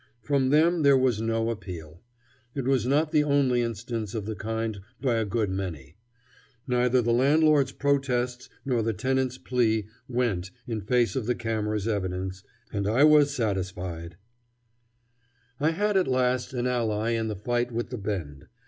From them there was no appeal. It was not the only instance of the kind by a good many. Neither the landlord's protests nor the tenant's plea "went" in face of the camera's evidence, and I was satisfied. [Illustration: Lodgers at Five Cents a Spot] I had at last an ally in the fight with the Bend.